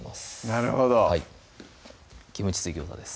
なるほど「キムチ水餃子」です